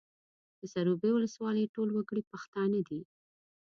د سروبي ولسوالۍ ټول وګړي پښتانه دي